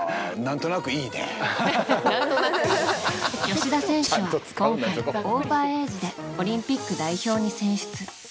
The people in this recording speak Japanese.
吉田選手は今回、オーバーエージでオリンピック代表に選出。